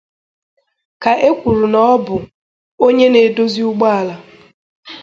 ka e kwùrù na ọ bụ onye na-edozi ụgbọala